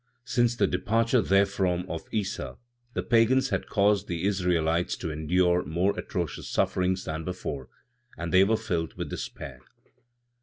Since the departure therefrom of Issa, the Pagans had caused the Israelites to endure more atrocious sufferings than before, and they were filled with despair.